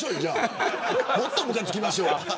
もっとむかつきましょう。